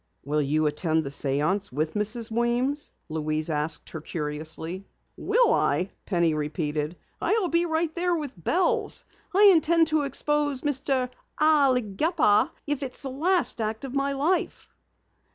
"Will you attend the séance with Mrs. Weems?" Louise asked her curiously. "Will I?" Penny repeated. "I'll be right there with bells! I intend to expose Mr. Al Gepper if it's the last act of my life!"